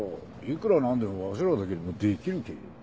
いくらなんでもわしらだけでもできるけぇ。